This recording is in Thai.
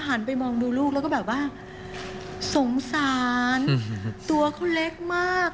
หันไปมองดูลูกแล้วก็แบบว่าสงสารตัวเขาเล็กมาก